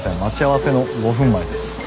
待ち合わせの５分前です。